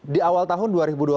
di awal tahun dua ribu dua puluh